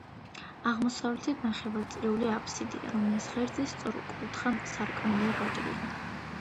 აღმოსავლეთით ნახევარწრიული აფსიდია, რომლის ღერძზე სწორკუთხა სარკმელია გაჭრილი.